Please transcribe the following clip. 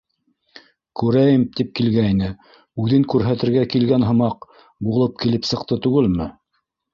Күрәйем, тип, килгәйне, үҙен күрһәтергә килгән һымаҡ булып килеп сыҡты түгелме?